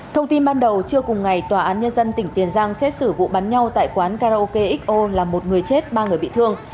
thông tin ban đầu trưa cùng ngày tòa án nhân dân tỉnh tiền giang xét xử vụ bắn nhau tại quán karaoke xo là một người chết ba người bị thương